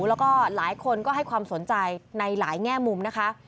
แล้วก็หลายคนก็ให้ความสนใจในหลายแง่มุมนะคะ